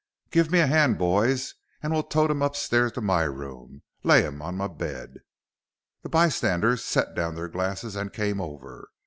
"Give me a hand, boys, and we'll tote him upstairs to my room, lay him on my bed." The bystanders set down their glasses and came over.